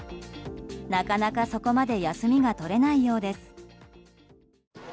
なかなか、そこまで休みが取れないようです。